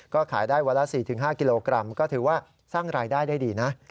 ก็ขายได้วันละ๔๕กิโลกรัมก็ถือว่าสร้างรายได้ได้ดีนะ